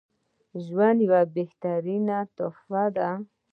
ژوند یوه بهترینه الهی تحفه ده